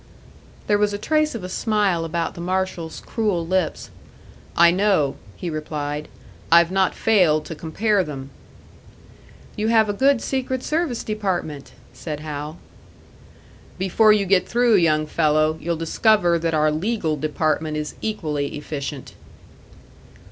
There was a trace of a smile about the marshal's cruel lips. "I know," he replied. "I've not failed to compare them." "You have a good secret service department!" said Hal. "Before you get through, young fellow, you'll discover that our legal department is equally efficient."